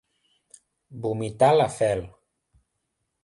Vomitar la fel.